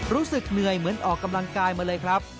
รู้สึกเหนื่อยเหมือนออกกำลังกายมาเลยครับ